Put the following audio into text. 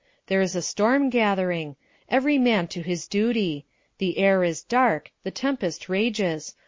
There is a storm gathering! Every man to his duty! The air is dark! the tempest rages!